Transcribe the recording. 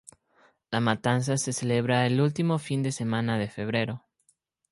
La matanza se celebra el último fin de semana de febrero.